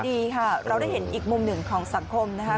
ดีค่ะเราได้เห็นอีกมุมหนึ่งของสังคมนะคะ